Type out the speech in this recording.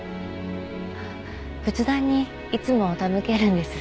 仏壇にいつも手向けるんです。